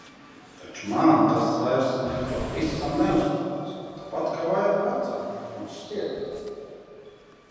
Taču mani tas vairs nepavisam neuztrauc, tāpat kā vairumu vecāku, man šķiet.